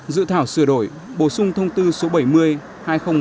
dự thảo sửa đổi bổ sung thông tư số bảy mươi